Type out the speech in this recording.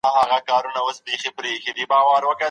حوصله مو ژر ختميږي او پاڼې يې يوې خواته کوو.